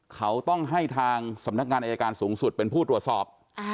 เขาต้องให้ทางสำนักงานอายการสูงสุดเป็นผู้ตรวจสอบ